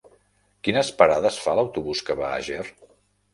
Quines parades fa l'autobús que va a Ger?